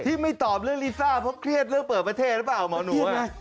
ที่ไม่ตอบเรื่องลีซ่าเพราะเครียดเลิกเปิดประเทศหรือเปล่าหมอหนู